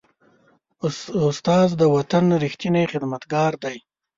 استاد د وطن ریښتینی خدمتګار دی.